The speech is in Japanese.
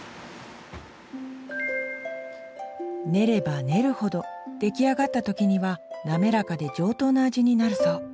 練れば練るほど出来上がった時には滑らかで上等な味になるそう。